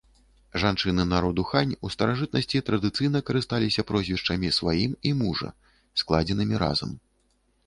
Жанчыны народу хань у старажытнасці традыцыйна карысталіся прозвішчамі, сваім і мужа, складзенымі разам.